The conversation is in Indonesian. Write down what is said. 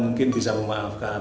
mungkin bisa memaafkan